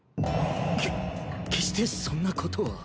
け決してそんなことは。